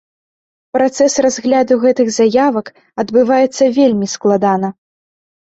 Працэс разгляду гэтых заявак адбываецца вельмі складана.